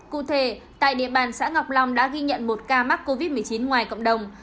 cụ thể tại địa bàn xã ngọc long đã ghi nhận một ca mắc covid một mươi chín ngoài cộng đồng